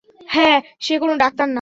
হ্যাঁ, সে কোনো ডাক্তার না।